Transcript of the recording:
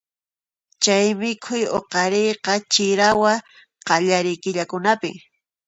Chay mikhuy huqariyqa chirawa qallariy killakunapi.